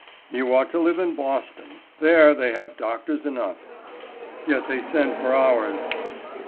"You ought to live in Boston. There they have doctors enough." "Yet they send for ours."